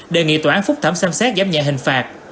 đề nghị tòa án phúc thẩm xem xét giảm nhẹ hình phạt